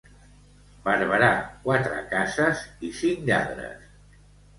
Barberà, quatre cases i cinc lladres.